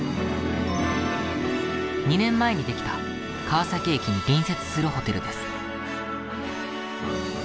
２年前に出来た川崎駅に隣接するホテルです。